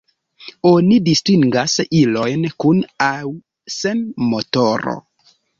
Oni distingas ilojn kun aŭ sen motoro.